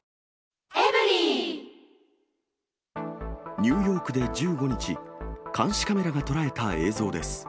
ニューヨークで１５日、監視カメラが捉えた映像です。